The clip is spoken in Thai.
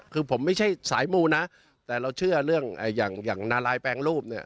คือผมไม่ใช่สายมูนะแต่เราเชื่อเรื่องอย่างนาลายแปลงรูปเนี่ย